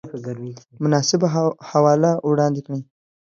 مناسبه حواله وړاندې کړئ